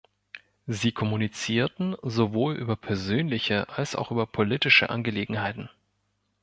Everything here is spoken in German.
Sie kommunizierten sowohl über persönliche als auch über politische Angelegenheiten.